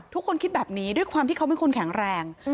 ทุกคนคิดแบบนี้ด้วยความที่เขาเป็นคนแข็งแรง